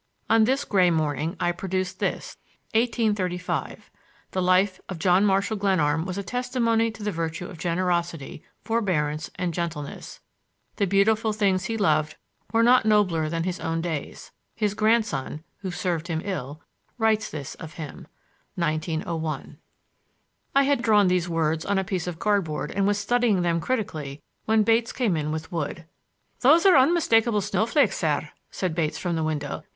On this gray morning I produced this: 1835 The life of John Marshall Glenarm was a testimony to the virtue of generosity, forbearance and gentleness The Beautiful things he loved were not nobler than his own days His grandson (who served him ill) writes this of him 1901 I had drawn these words on a piece of cardboard and was studying them critically when Bates came in with wood. "Those are unmistakable snowflakes, sir," said Bates from the window.